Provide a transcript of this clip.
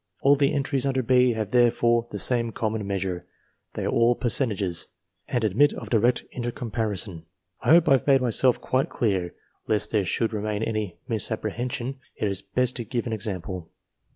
All the entries under B have therefore the same common measure, they are all fercentages, and admit of direct intercomparison. I hope have made myself quite clear : lest there should remain any misapprehension, it is better to give an example.